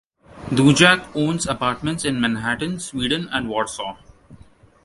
Dudziak owns apartments in Manhattan, Sweden and Warsaw.